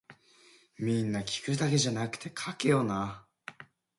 皆聞くだけじゃなくて書けよな